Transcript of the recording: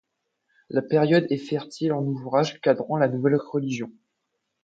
La période est fertile en ouvrages cadrant la nouvelle religion.